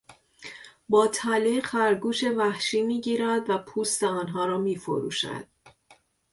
با تله، خرگوش وحشی میگیرد و پوست آنها را میفروشد.